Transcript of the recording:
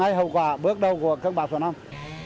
đây là hậu quả bước đầu của các bà phụ nông